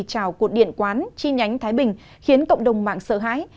trào cột điện quán chi nhánh thái bình khiến cộng đồng mạng sợ hãi